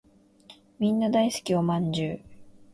みんな大好きお饅頭